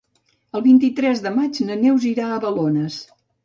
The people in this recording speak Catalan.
El vint-i-tres de maig na Neus irà a Balones.